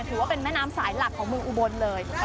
ถือว่าเป็นแม่น้ำสายหลักของเมืองอุบลเลย